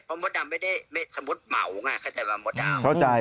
เพราะมดดำไม่ได้สมมุติเหมาไงเข้าใจมาหมดอ้าว